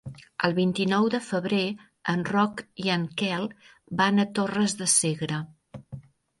El vint-i-nou de febrer en Roc i en Quel van a Torres de Segre.